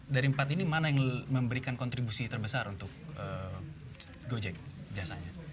dari empat ini mana yang memberikan kontribusi terbesar untuk gojek jasanya